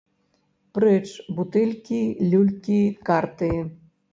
Прэч бутэлькі, люлькі, карты!